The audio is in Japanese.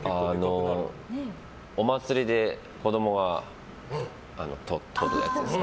お祭りで、子供がとるやつで。